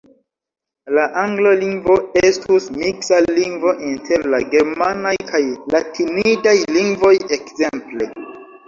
La angla lingvo estus miksa lingvo inter la germanaj kaj latinidaj lingvoj, ekzemple.